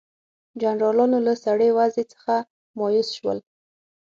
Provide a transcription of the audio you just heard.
جنرالانو له سړې وضع څخه مایوس شول.